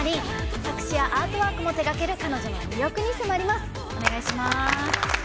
作詞やアートワークも手がける彼女の魅力に迫ります。